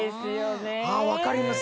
分かります